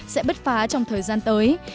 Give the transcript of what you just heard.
sẽ bứt phá trong thời gian tới